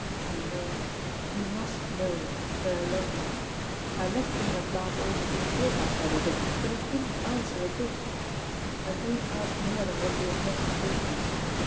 You know you must know that I love you. I left England last autumn to cure myself of it, but it didn't answer a bit. I don't ask more than what you have just told me.